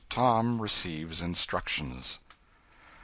Tom receives instructions.